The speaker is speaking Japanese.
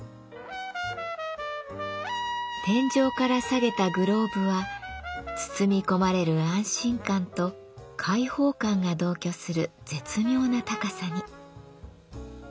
天井から下げたグローブは包み込まれる安心感と解放感が同居する絶妙な高さに。